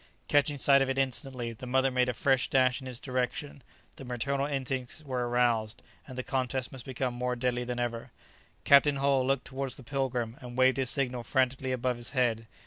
Catching sight of it instantly, the mother made a fresh dash in its direction, the maternal instincts were aroused, and the contest must become more deadly than ever. Captain Hull looked towards the "Pilgrim," and waved his signal frantically above his head.